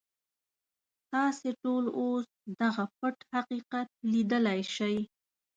تاسې ټول اوس دغه پټ حقیقت ليدلی شئ.